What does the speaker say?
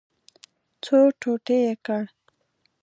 څو ټوټې یې کړ.